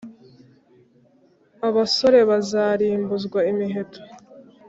Abasore bazarimbuzwa imiheto,